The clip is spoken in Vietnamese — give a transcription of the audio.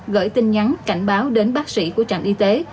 gửi tin nhắn cảnh báo đến bác sĩ của trạm y tế